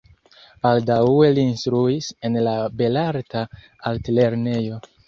Baldaŭe li instruis en la belarta altlernejo.